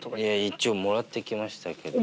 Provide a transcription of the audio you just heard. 一応もらってきましたけど。